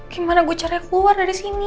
gimana gue caranya keluar dari sini